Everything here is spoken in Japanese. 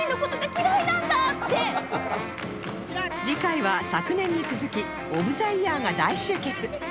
次回は昨年に続きオブザイヤーが大集結！